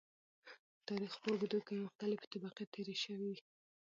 د تاريخ په اوږدو کې مختلفې طبقې تېرې شوي .